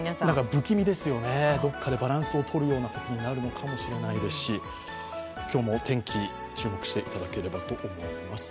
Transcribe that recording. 不気味ですよね、どこかでバランスをとるようなことになるのかもしれませんし今日も天気、注目していただければと思います。